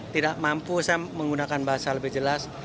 tidak mampu saya menggunakan bahasa lebih jelas